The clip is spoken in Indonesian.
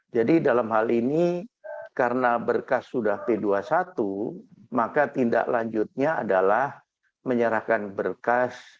jadi dalam hal ini karena berkas sudah p dua puluh satu maka tindak lanjutnya adalah menyerahkan berkas